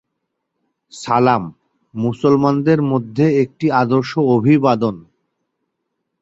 সালাম মুসলমানদের মধ্যে একটি আদর্শ অভিবাদন।